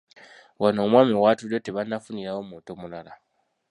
Wano omwami w'atudde tebannafunirawo muntu mulala.